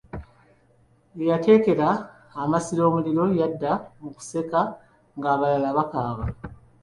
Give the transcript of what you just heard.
Eyateekera amasiro omuliro yadda mu kuseka ng'abalala bakaaba.